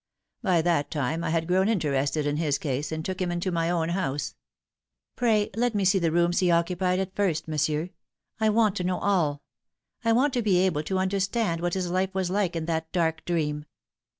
By that time I had grown interested in his case, and took him into my own house." " Pray let me see the rooms be occupied at first, monsieur .; 248 The Fatal Three. I want to know all. I want to be able to understand what his life was like in that dark dream."